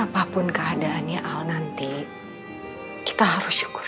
apapun keadaannya al nanti kita harus syukur